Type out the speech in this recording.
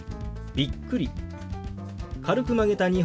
「びっくり」。